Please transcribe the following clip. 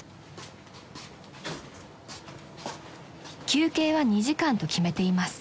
［休憩は２時間と決めています］